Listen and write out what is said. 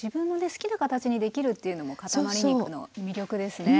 好きな形にできるっていうのもかたまり肉の魅力ですね。